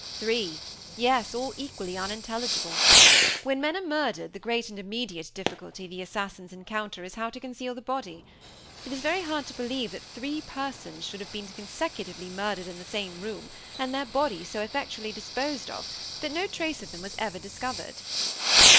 "Three. Yes, all equally unintelligible. When men are murdered, the great and immediate difficulty the assassins encounter is how to conceal the body. It is very hard to believe that three persons should have been consecutively murdered in the same room, and their bodies so effectually disposed of that no trace of them was ever discovered."